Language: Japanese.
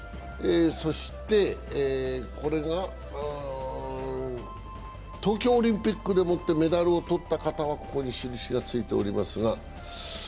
そしてこれが東京オリンピックでメダルを取った方はここに印がついてますが。